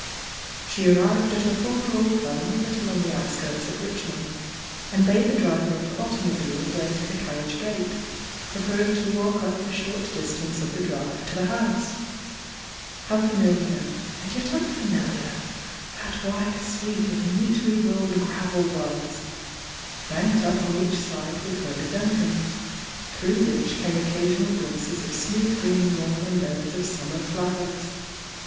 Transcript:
She arrived at her former old home a little on the outskirts of Richmond, and bade the driver of her automobile wait at the carriage gate, preferring to walk up the short distance of the drive to the house. How familiar and yet unfamiliar that wide sweep of neatly roUed gravel was! banked up on each side with rhododendrons, through which came occasional glimpses of smooth green lawn and beds of summer flowers!